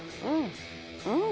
うん！